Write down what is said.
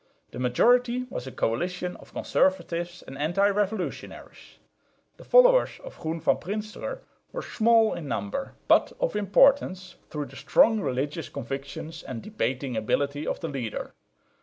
The majority was a coalition of conservatives and anti revolutionaries. The followers of Groen van Prinsterer were small in number, but of importance through the strong religious convictions and debating ability of the leader.